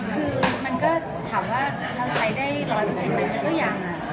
คือมันก็ถามว่าเราใช้ได้๑๐๐ไหมมันก็ยัง